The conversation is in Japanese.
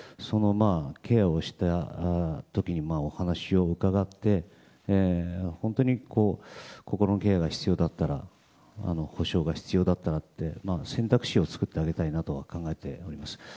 ケアをした時にお話を伺って本当に、心のケアが必要だったら補償が必要だったらって選択肢を作ってあげたいなとは考えております。